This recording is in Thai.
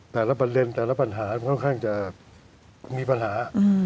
แต่ละประเด็นแต่ละปัญหามันค่อนข้างจะมีปัญหา